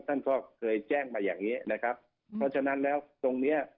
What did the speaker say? ท่านก็เคยแจ้งมาอย่างงี้นะครับเพราะฉะนั้นแล้วตรงเนี้ย